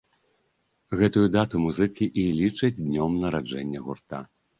Гэтую дату музыкі і лічаць днём нараджэння гурта.